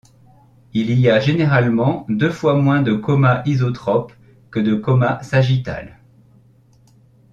Il y a généralement deux fois moins de coma isotrope que de coma sagittal.